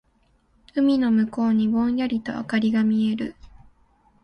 海の向こうにぼんやりと灯りが見える。